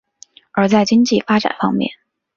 而在经济发展方面。